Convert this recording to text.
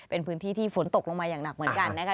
เป็นพื้นที่ที่ฝนตกลงมาอย่างหนักเหมือนกันนะคะ